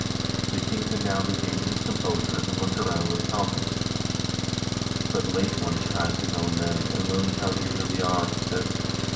The king had now regained his composure and looked around with calmness. "But late one tries his own men, and learns how they really are," he said.